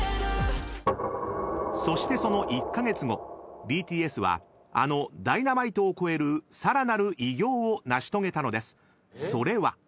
［そしてその１カ月後ＢＴＳはあの『Ｄｙｎａｍｉｔｅ』を超えるさらなる偉業を成し遂げたのですそれは］